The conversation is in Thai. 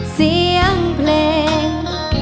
เสียงเพลง